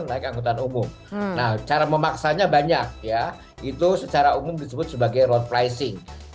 nah cara memaksanya banyak itu secara umum disebut sebagai road pricing